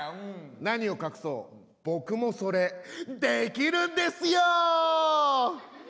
何を隠そう僕もそれできるんですよ！